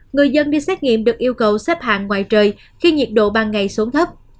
người dân đi xét nghiệm được yêu cầu xếp hàng ngoài trời khi nhiệt độ ban ngày xuống thấp